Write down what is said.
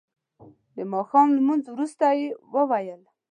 د ماښام لمونځ وروسته یې وویل.